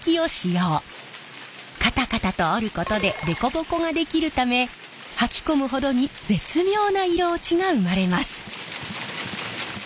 カタカタと織ることで凸凹ができるためはき込むほどに絶妙な色落ちが生まれます。